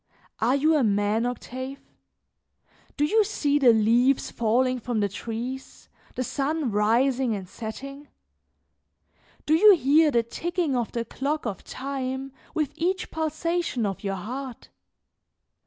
Are you a man, Octave? Do you see the leaves falling from the trees, the sun rising and setting? Do you hear the ticking of the clock of time with each pulsation of your heart?